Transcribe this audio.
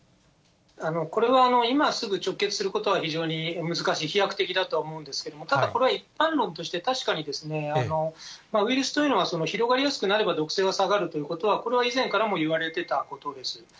これは今すぐ直結することは非常に難しい、飛躍的だとは思うんですけれども、ただこれは一般論として、確かにウイルスというのは広がりやすくなれば、毒性は下がるということは、これは以前からも言われてたことです。